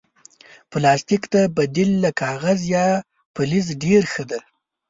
پلاستيک ته بدیل لکه کاغذ یا فلز ډېر ښه دی.